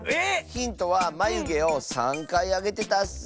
⁉ヒントはまゆげを３かいあげてたッス。